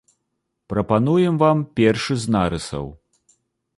Прапануем вам першы з нарысаў.